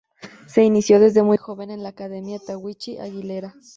Se inició desde muy joven en la Academia Tahuichi Aguilera.